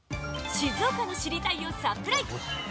静岡の知りたいをサプライ！